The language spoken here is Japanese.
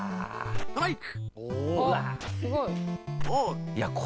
「ストライク」